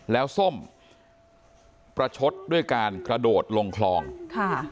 แล้วส้มประชดด้วยการกระโดดลงคลองค่ะ